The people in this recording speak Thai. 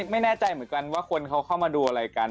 ไม่แน่ใจเหมือนกันว่าคนเขาเข้ามาดูอะไรกัน